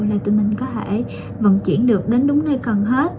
là tụi mình có thể vận chuyển được đến đúng nơi cần hết